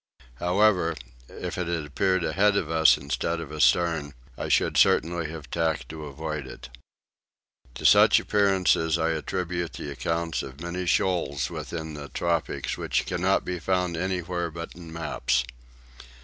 However if it had appeared ahead of us instead of astern I should certainly have tacked to avoid it. To such appearances I attribute the accounts of many shoals within the tropics which cannot be found anywhere but in maps.